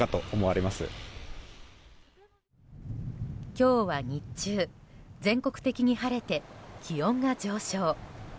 今日は日中、全国的に晴れて気温が上昇。